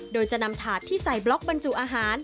โดยจะนำถาดที่ใส่บล็อกบรรจุอาหาร